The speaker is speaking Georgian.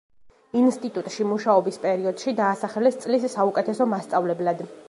ინსტიტუტში მუშაობის პერიოდში დაასახელეს წლის საუკეთესო მასწავლებლად.